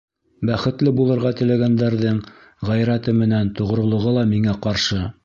Бәхетле булырға теләгәндәрҙең ғәйрәте менән тоғролоғо ла миңә ҡаршы.